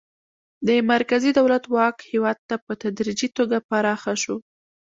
د مرکزي دولت واک هیواد ته په تدریجي توګه پراخه شو.